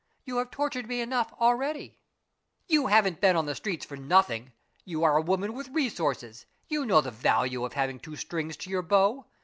You have tortured me enough already." "You haven't been on the streets for nothing. You are a woman with resources; you know the value of having two strings to your bow.